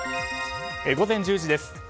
午前１０時です。